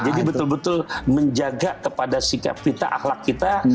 jadi betul betul menjaga kepada sikap kita ahlak kita